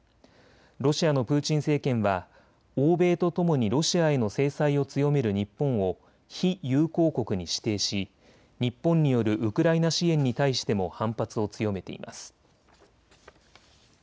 ロシアのプーチン政権は欧米とともにロシアへの制裁を強める日本を非友好国に指定し日本によるウクライナ支援に対しても反発を強めています。